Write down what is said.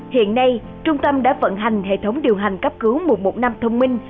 hiện nay trung tâm đã phận hành hệ thống điều hành cấp cứu một trăm một mươi năm thông minh